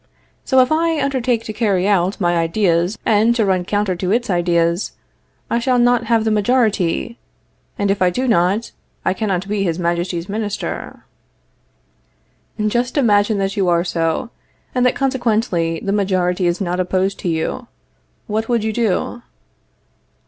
So if I undertake to carry out my ideas and to run counter to its ideas, I shall not have the majority, and if I do not, I cannot be His Majesty's Minister. Just imagine that you are so, and that consequently the majority is not opposed to you, what would you do?